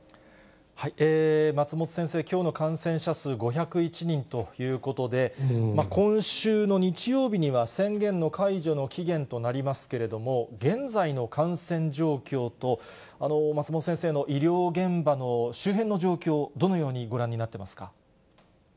松本先生、きょうの感染者数５０１人ということで、今週の日曜日には宣言の解除の期限となりますけれども、現在の感染状況と、松本先生の医療現場の周辺の状況、どのようにご覧になってますか。